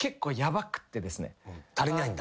足りないんだ？